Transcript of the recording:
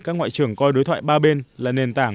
các ngoại trưởng coi đối thoại ba bên là nền tảng